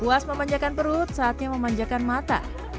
puas memanjakan perut saatnya memanjakan mata